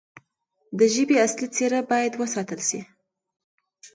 د ژبې اصلي څیره باید وساتل شي.